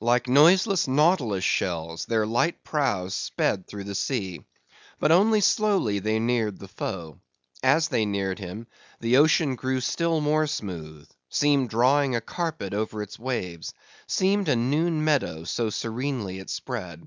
Like noiseless nautilus shells, their light prows sped through the sea; but only slowly they neared the foe. As they neared him, the ocean grew still more smooth; seemed drawing a carpet over its waves; seemed a noon meadow, so serenely it spread.